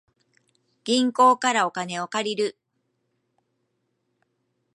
銀行からお金を借りる